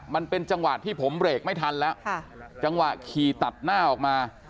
มันเป็นจังหวะที่ผมเบรกไม่ทันแล้วจังหวะขี่ตัดหน้าออกมา